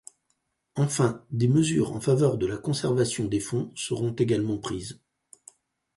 Enfin, des mesures en faveur de la conservation des fonds seront également prises.